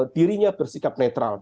dirinya bersikap netral